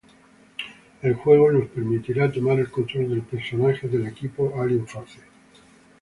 El juego nos permitirá tomar el control de personajes del equipo Alien Force.